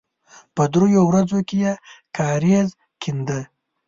په دریو ورځو کې یې کاریز کېنده.